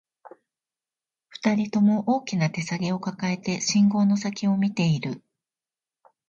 二人とも、大きな手提げを抱えて、信号の先を見ている